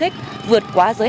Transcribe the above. sẽ về hà nội